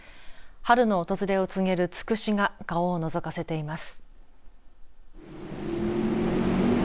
春の訪れを告げるつくしが顔をのぞかせています。